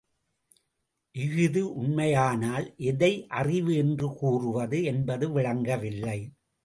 இஃது உணைமையானால் எதை அறிவு என்று கூறுவது என்பது விளங்கவில்லை.